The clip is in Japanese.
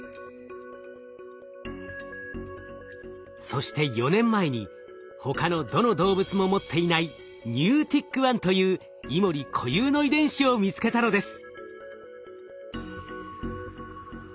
そして４年前に他のどの動物も持っていないＮｅｗｔｉｃ１というイモリ固有の遺伝子を見つけたのです。